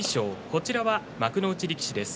こちらは幕内力士です